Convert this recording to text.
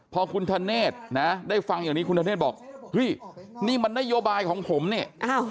พอคุณธเนธนะได้ฟังอย่างนี้คุณธเนธบอกเฮ้ยนี่มันนโยบายของผมเนี่ย